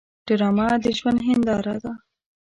ډرامه د ژوند هنداره ده